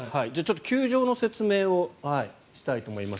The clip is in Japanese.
球場の説明をしたいと思います。